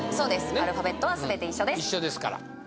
アルファベットは全て一緒です